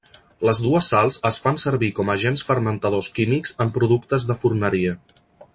Les dues sals es fan servir com agents fermentadors químics en productes de forneria.